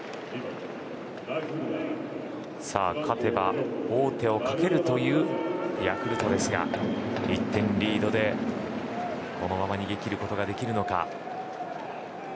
勝てば王手をかけるヤクルトですが１点リードでこのまま逃げ切ることができるのか。